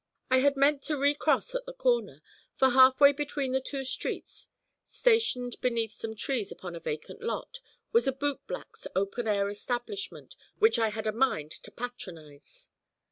I had meant to recross at the next corner, for half way between two streets, stationed beneath some trees upon a vacant lot, was a bootblack's open air establishment which I had a mind to patronize.